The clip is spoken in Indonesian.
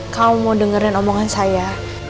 kamu mau dengerin omongan saya